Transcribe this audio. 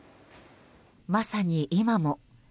まさに今も。